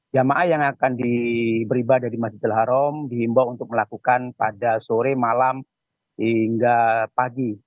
jamaah yang akan beribadah di masjidil haram dihimbau untuk melakukan pada sore malam hingga pagi